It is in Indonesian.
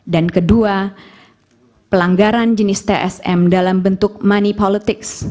dan kedua pelanggaran jenis tsm dalam bentuk money politics